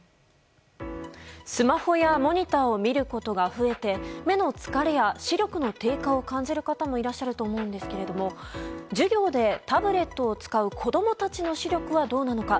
スマホやモニターを見ることが増えて目の疲れや視力の低下を感じる方もいらっしゃると思うんですけど授業でタブレットを使う子供たちの視力はどうなのか。